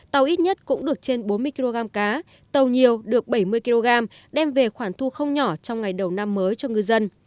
tàu ít nhất cũng được trên bốn mươi kg cá tàu nhiều được bảy mươi kg đem về khoản thu không nhỏ trong ngày đầu năm mới cho ngư dân